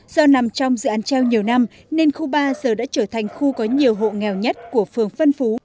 do nằm trong dự án treo nhiều năm nên khu ba giờ đã trở thành khu có nhiều hộ nghèo nhất của phường vân phú